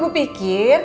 ibu sama bapak becengek